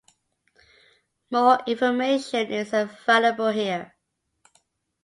More information is available here.